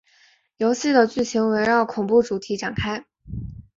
游戏的剧情围绕恐怖主义展开。